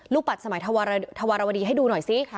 ปัดสมัยธวรวดีให้ดูหน่อยซิ